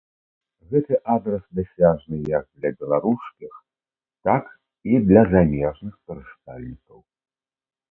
Гэты адрас дасяжны як для беларускіх, так і для замежных карыстальнікаў.